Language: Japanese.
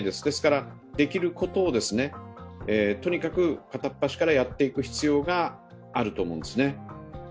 ですから、できることをとにかく片っ端からやっていく必要があると思うんですね。